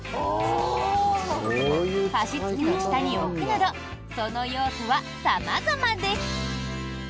加湿器の下に置くなどその用途は様々です。